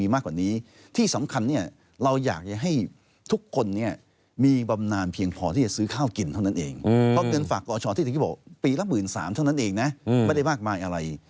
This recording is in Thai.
ปีละ๑๓๐๐๐เท่านั้นเองนะไม่ได้มากมายอะไร